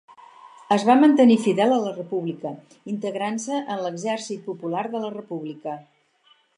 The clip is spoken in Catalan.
Es va mantenir fidel a la República, integrant-se en l'Exèrcit Popular de la República.